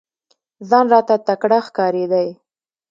ځان راته تکړه ښکارېدی !